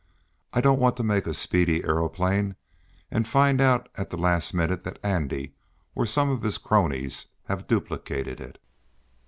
"I don't want to make a speedy aeroplane, and find out at the last minute that Andy, or some of his cronies, have duplicated it."